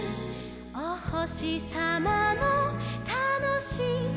「おほしさまのたのしいはなし」